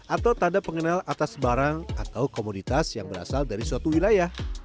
atau tanda pengenal atas barang atau komoditas yang berasal dari suatu wilayah